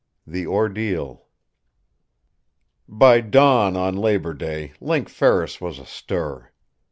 The Ordeal By dawn on Labor Day Link Ferris was astir.